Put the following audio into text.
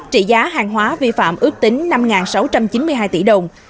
trị giá hàng hóa vi phạm ước tính năm sáu trăm chín mươi hai tỷ đồng